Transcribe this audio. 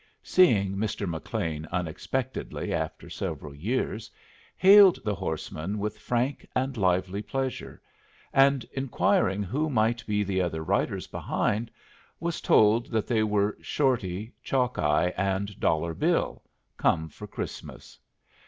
seeing Mr. McLean unexpectedly after several years, hailed the horseman with frank and lively pleasure, and, inquiring who might be the other riders behind, was told that they were Shorty, Chalkeye, and Dollar Bill, come for Christmas.